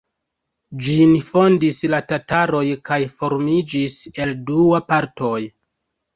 Ĝin fondis la tataroj kaj formiĝis el dua partoj.